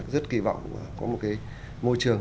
rất kỳ vọng có một cái môi trường